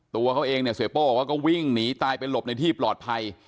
ตัวเขาเองเนี่ยเสียโป้บอกว่าก็วิ่งหนีตายไปหลบในที่ปลอดภัย